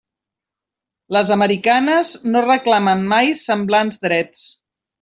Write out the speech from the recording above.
Les americanes no reclamen mai semblants drets.